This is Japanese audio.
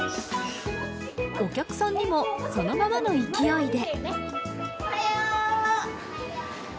お客さんにもそのままの勢いで。